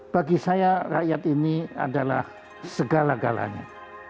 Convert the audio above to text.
bagi saya rakyat ini adalah segala galanya